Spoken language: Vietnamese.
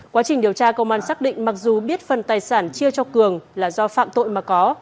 quá trình điều tra công an xác định mặc dù biết phần tài sản chia cho cường là do phạm tội mà có